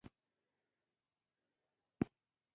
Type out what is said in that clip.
د میرمنو کار او تعلیم مهم دی ځکه چې ټولنې سمون لپاره اړین دی.